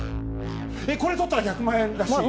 これ取ったら１００万円らしい。